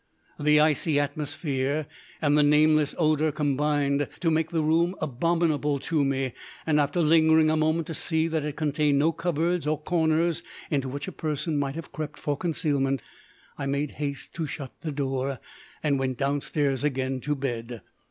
The icy atmosphere and the nameless odour combined to make the room abominable to me, and, after lingering a moment to see that it contained no cupboards or corners into which a person might have crept for concealment, I made haste to shut the door, and went downstairs again to bed.